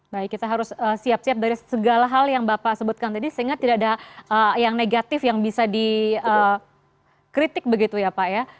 baik kita harus siap siap dari segala hal yang bapak sebutkan tadi sehingga tidak ada yang negatif yang bisa dikritik begitu ya pak ya